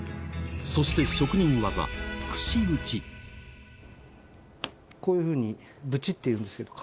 そして、職人技、こういうふうにぶちっていうんですよ。